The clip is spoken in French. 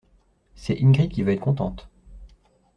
C’est Ingrid qui va être contente!